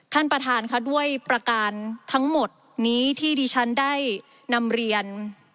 ท่านประธานค่ะด้วยประการทั้งหมดนี้ที่ดิฉันได้นำเรียน